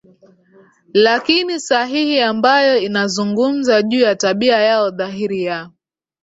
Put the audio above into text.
lakini sahihi ambayo inazungumza juu ya tabia yao dhahiri ya